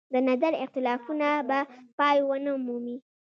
د نظر اختلافونه به پای ونه مومي.